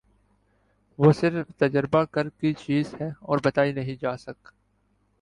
وہ صرف تجربہ کر کی چیز ہے اور بتائی نہیں جاسک